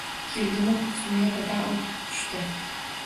Keldimu ko’ksimga birdan o’t tushdi